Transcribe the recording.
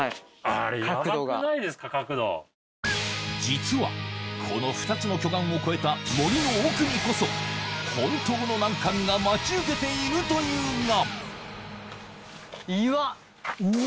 実はこの２つの巨岩を越えた森の奥にこそ本当の難関が待ち受けているというがうわ！